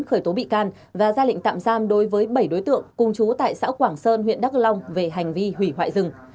khởi tố bị can và ra lệnh tạm giam đối với bảy đối tượng cung chú tại xã quảng sơn huyện đắk long về hành vi hủy hoại rừng